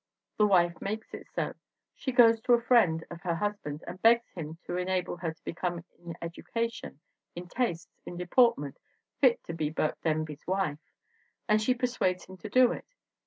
The wife makes it so. She goes to a friend of her husband and begs him to en able her to become in education, in tastes, in deport ment fit to be Burke Denby's wife. And she per suades him to it.